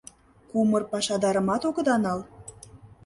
Кумыр пашадарымат огыда, нал?